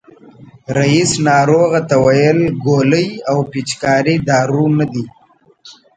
رئیس ناروغ ته وویل ګولۍ او پيچکاري دارو نه دي.